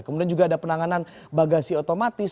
kemudian juga ada penanganan bagasi otomatis